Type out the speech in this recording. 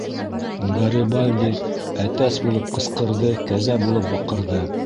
Гарибальди әтәс булып ҡысҡырҙы, кәзә булып баҡырҙы.